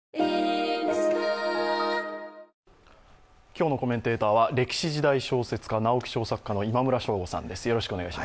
今日のコメンテーターは歴史・時代小説家、直木賞作家の今村翔吾さんです。